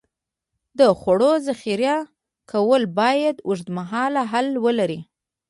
د خوړو ذخیره کول باید اوږدمهاله حل ولري.